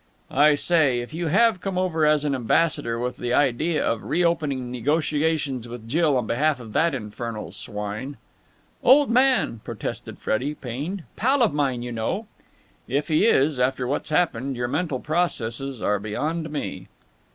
"I say, if you have come over as an ambassador with the idea of reopening negotiations with Jill on behalf of that infernal swine...." "Old man!" protested Freddie, pained. "Pal of mine, you know." "If he is, after what's happened, your mental processes are beyond me."